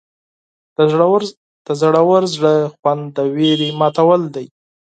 د زړور زړه خوند د ویرې ماتول دي.